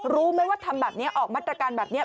รู้ไหมว่าทำแบบนี้ออกมาตรการแบบนี้